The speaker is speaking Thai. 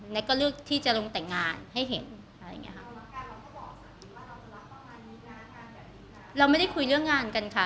แล้วก็เลือกที่จะลงแต่งงานให้เห็นอะไรอย่างเงี้ค่ะเราไม่ได้คุยเรื่องงานกันค่ะ